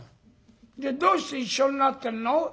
「じゃあどうして一緒になってんの？」。